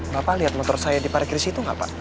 bapak liat motor saya di parkir situ gak pak